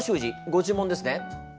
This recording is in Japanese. ご注文ですね？